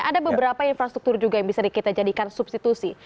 ada beberapa infrastruktur juga yang bisa kita jadikan substitusi